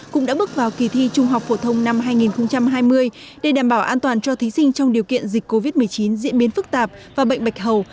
cũng đã bước vào kỳ thi trung học phổ thông năm hai nghìn hai mươi để đảm bảo an toàn cho thí sinh trong điều kiện dịch covid một mươi chín diễn biến phức tạp và bệnh bạch hầu